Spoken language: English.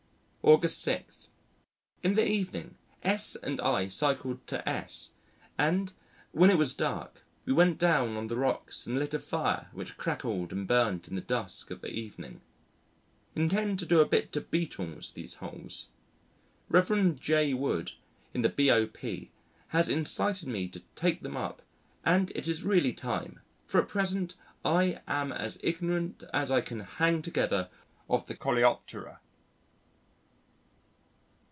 August 6. In the evening, S and I cycled to S , and when it was dark we went down on the rocks and lit a fire which crackled and burnt in the dusk of the evening.... Intend to do a bit to Beetles these hols. Rev. J. Wood in the B.O.P. has incited me to take them up, and it is really time, for at present I am as ignorant as I can hang together of the Coleoptera.